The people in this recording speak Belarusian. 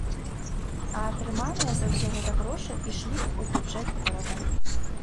А атрыманыя за ўсё гэта грошы ішлі б у бюджэт горада.